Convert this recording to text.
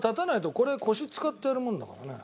これ腰使ってやるもんだからね。